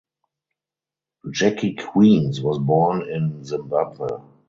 Jackie Queens was born in Zimbabwe.